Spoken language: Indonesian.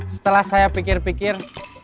setelah saya pikir pikir